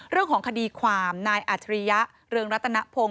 เรื่องของคดีความนายอัจฉริยะเรืองรัตนพงศ